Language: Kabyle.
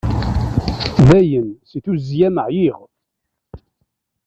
Dayen, si tuzzya-m ɛyiɣ.